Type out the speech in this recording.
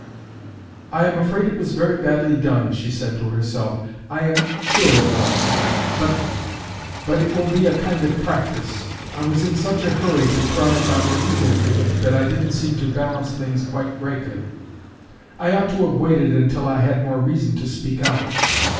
"I am afraid it was very badly done," she said to herself. "I am sure it was; but but it will be a kind of practice. I was in such a hurry to try if I were equal to it, that I didn't seem to balance things quite rightly. I ought to have waited until I had more reason to speak out.